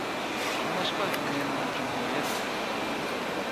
شۇڭلاشقا رىم يەنىلا جۇمھۇرىيەت دەپ ئاتالدى.